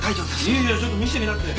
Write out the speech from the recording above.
いやいやちょっと診せてみなって。